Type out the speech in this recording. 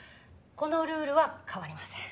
このルールは変わりません。